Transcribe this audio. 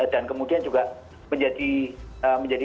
dan kemudian juga menjadi